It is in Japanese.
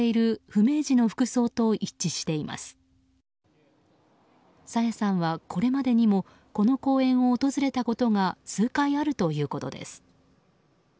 朝芽さんはこれまでにもこの公園を訪れたことが数回あるということです。